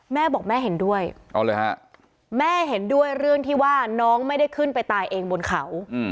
แม่บอกแม่เห็นด้วยแม่เห็นด้วยเรื่องที่ว่าน้องไม่ได้ขึ้นไปตายเองบนเขา